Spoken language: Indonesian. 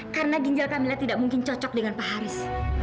karena ginjal kamila tidak mungkin cocok dengan pak haris